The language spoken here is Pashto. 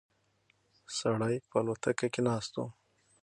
سړی په الوتکه کې ناست و.